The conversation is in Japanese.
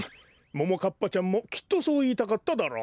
ももかっぱちゃんもきっとそういいたかったダロ。